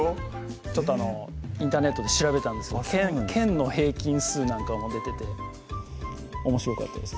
ちょっとインターネットで調べたんです県の平均数なんかも出てておもしろかったです